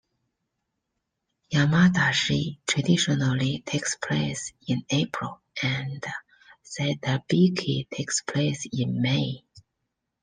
"Yamadashi" traditionally takes place in April, and "Satobiki" takes place in May.